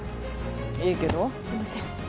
いいけどすいません